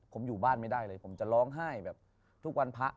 ผมอยู่บ้านไม่ได้เลยผมจะร้องไห้แบบทุกวันพระ